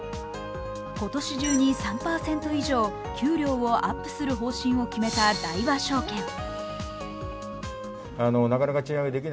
今年中に３％以上、給料を上げる方針を発表した大和証券。